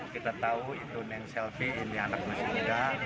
kita tahu itu neng selvi ini anak musimnya